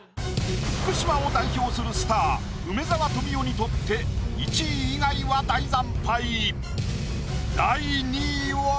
福島を代表するスター梅沢富美男にとって１位以外は大惨敗。